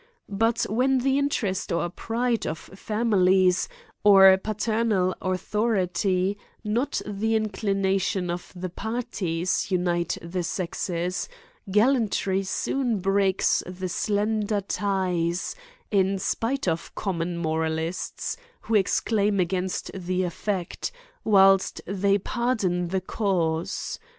But, when the interest or pride of fa milies, or paternal authority, not the inclination of the parties, unite the sexes, gallantry soon breaks the slender ties, in spite of common mora lists, who exclaim against the effect, whilst they pardon the cause.